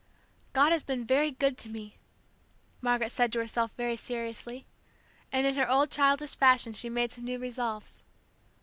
"God has been very good to me," Margaret said to herself very seriously; and in her old childish fashion she made some new resolves.